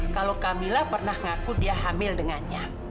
kalau kamilah pernah mengaku dia hamil dengannya